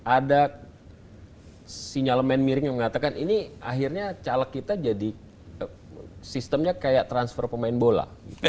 ada sinyalemen miring yang mengatakan ini akhirnya caleg kita jadi sistemnya kayak transfer pemain bola